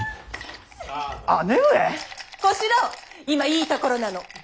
今いいところなの。